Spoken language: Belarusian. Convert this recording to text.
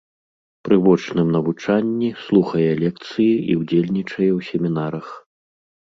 Пры вочным навучанні слухае лекцыі і ўдзельнічае ў семінарах.